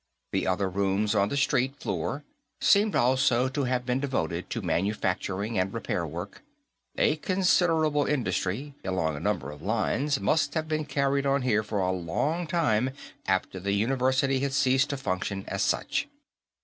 The other rooms on the street floor seemed also to have been devoted to manufacturing and repair work; a considerable industry, along a number of lines, must have been carried on here for a long time after the university had ceased to function as such.